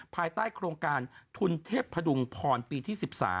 ภายใต้โครงการทุนเทพพดุงพรปีที่๑๓